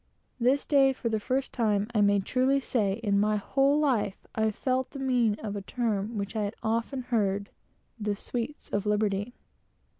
This day, for the first time, I may truly say, in my whole life, I felt the meaning of a term which I had often heard the sweets of liberty.